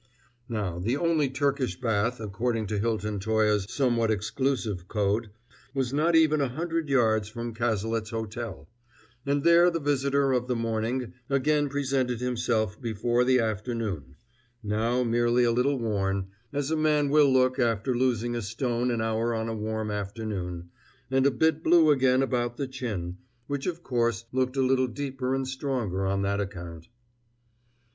Now the only Turkish bath, according to Hilton Toye's somewhat exclusive code, was not even a hundred yards from Cazalet's hotel; and there the visitor of the morning again presented himself before the afternoon; now merely a little worn, as a man will look after losing a stone an hour on a warm afternoon, and a bit blue again about the chin, which of course looked a little deeper and stronger on that account.